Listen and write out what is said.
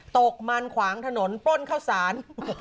ตกมันขวางถนนปล้นข้าวสาร